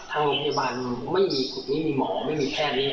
ทางพยาบาลไม่มีคุณนี้มีหมอไม่มีแพทย์นี้